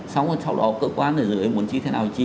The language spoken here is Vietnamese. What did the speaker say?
xong rồi sau đó cơ quan này dự án muốn chi thế nào thì chi